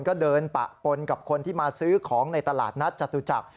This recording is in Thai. ก็เดินปะปนกับคนที่มาซื้อของในตลาดนัดจตุจักร